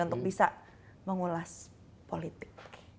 untuk bisa mengulas politik